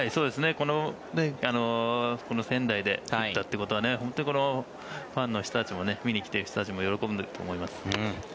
この仙台で打ったということは本当にこのファンの人たちも見に来ている人たちも喜んでいると思います。